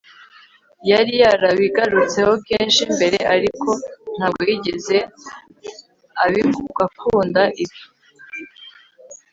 yari yarabigarutseho kenshi mbere, ariko ntabwo yigeze akunda ibi